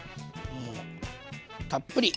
たっぷり。